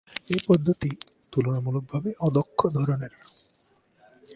এ পদ্ধতি তুলনামূলকভাবে অদক্ষ ধরনের।